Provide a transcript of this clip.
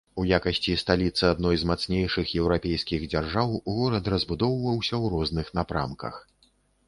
У якасці сталіцы адной з мацнейшых еўрапейскіх дзяржаў горад разбудоўваўся ў розных напрамках.